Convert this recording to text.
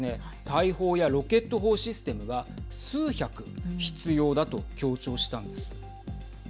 大砲やロケット砲システムが数百必要だと強調したんです。